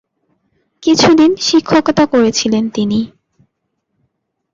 কিছুদিন শিক্ষকতা করেছিলেন তিনি।